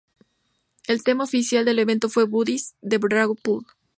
El tema oficial del evento fue ""Bodies"", de Drowning Pool.